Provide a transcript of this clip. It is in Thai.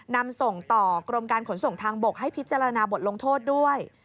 นำส่งต่อกรมการขนส่งทางบกให้พิจารณาบทลงโทษด้วย